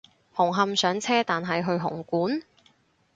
紅磡上車但係去紅館？